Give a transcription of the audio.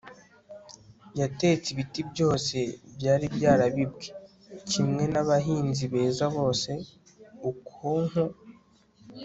yatetse ibiti byose byari byarabibwe. kimwe nabahinzi beza bose, okonkwo